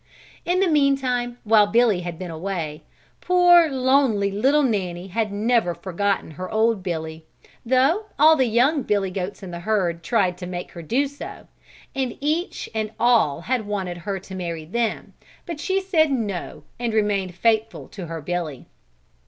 In the meantime, while Billy had been away, poor, lonely, little Nanny had never forgotten her old Billy, though all the young Billy Goats in the herd tried to make her do so, and each and all had wanted her to marry them, but she said "no" and remained faithful to her Billy.